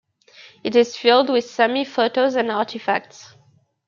It is filled with Sami photos and artifacts.